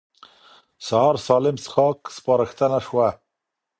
سهار سالم څښاک سپارښتنه شوه.